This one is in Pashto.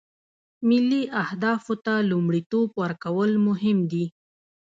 ملي اهدافو ته لومړیتوب ورکول مهم دي